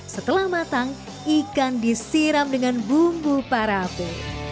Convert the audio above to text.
setelah matang ikan disiram dengan bumbu parave